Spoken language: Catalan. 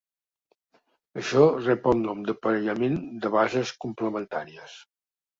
Això rep el nom d'aparellament de bases complementàries.